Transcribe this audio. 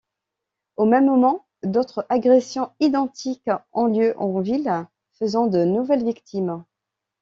Au même moment, d'autres agressions identiques ont lieu en ville, faisant de nouvelles victimes.